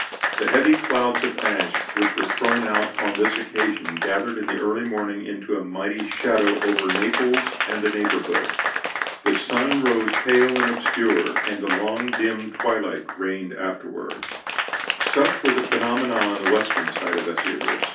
The heavy clouds of ashes which were thrown out on this occasion gathered in the early morning into a mighty shadow over Naples and the neighborhood; the sun rose pale and obscure, and a long, dim twilight reigned afterward. Such were the phenomena on the western side of Vesuvius.